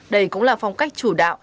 đây cũng là phong cách chủ đạo